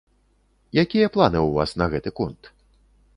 Якія планы ў вас на гэты конт?